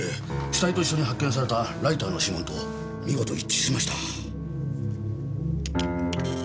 死体と一緒に発見されたライターの指紋と見事一致しました。